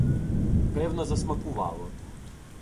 Певно, засмакувало.